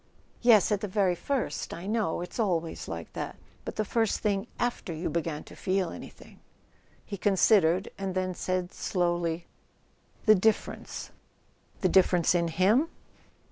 "Yes—at the very first, I know: it's always like that. But the first thing after you began to feel any¬ thing?" He considered, and then said slowly: "The differ¬ ence." "The difference in him?"